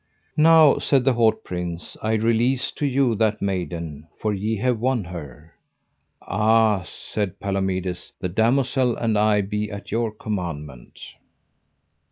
Now, said the haut prince, I release to you that maiden, for ye have won her. Ah, said Palomides, the damosel and I be at your commandment.